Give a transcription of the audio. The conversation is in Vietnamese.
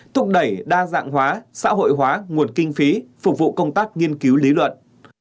thúc đẩy đa dạng hóa xã hội hóa nguồn kinh phí phục vụ công tác nghiên cứu lý luận